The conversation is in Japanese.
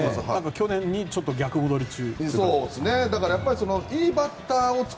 去年に逆戻り中？